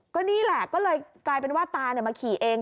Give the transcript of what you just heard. ก็นี่แหละก็เลยกลายเป็นว่าตามาขี่เอง